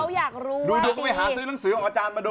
เขาอยากรู้ดูดวงก็ไปหาซื้อหนังสือของอาจารย์มาดู